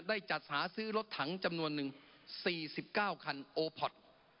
ได้จัดหาซื้อรถถังจำนวนหนึ่ง๔๙คันโอพอร์ต